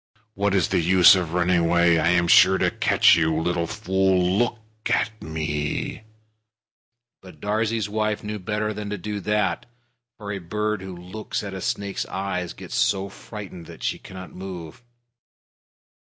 What is the use of running away? I am sure to catch you. Little fool, look at me!" Darzee's wife knew better than to do that, for a bird who looks at a snake's eyes gets so frightened that she cannot move.